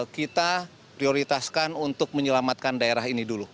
kita prioritaskan untuk menyelamatkan daerah ini dulu